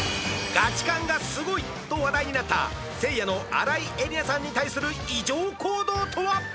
「ガチ感がスゴい」と話題になったせいやの新井恵理那さんに対する異常行動とは？